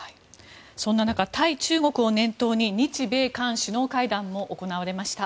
そんな中、対中国を念頭に日米韓首脳会談も行われました。